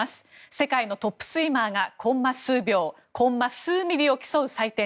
世界のトップスイマーがコンマ数秒、コンマ数ミリを競う祭典。